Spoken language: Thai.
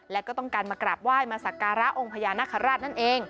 และก็ต้องการมากราบไหว้มาสักการะองค์พญานาคาราชนั่นเอง